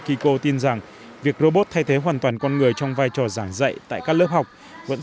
kiko tin rằng việc robot thay thế hoàn toàn con người trong vai trò giảng dạy tại các lớp học vẫn